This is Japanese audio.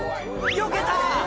よけた！